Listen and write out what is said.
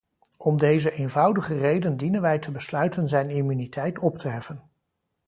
Om deze eenvoudige reden dienen wij te besluiten zijn immuniteit op te heffen.